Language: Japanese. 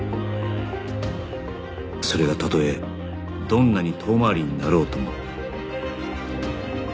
それがたとえどんなに遠回りになろうとも